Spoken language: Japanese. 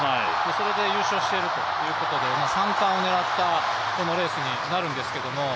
それで優勝しているということで３冠を狙ったこのレースになるんですけど。